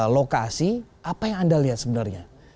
lokasi apa yang anda lihat sebenarnya